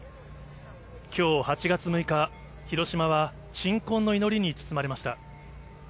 きょう８月６日、広島は鎮魂の祈りに包まれました。